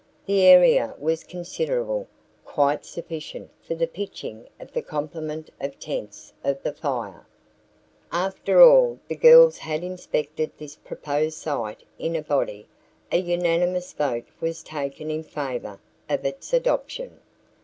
The area was considerable, quite sufficient for the pitching of the complement of tents of the Fire. After all the girls had inspected this proposed site in a body, a unanimous vote was taken in favor of its adoption.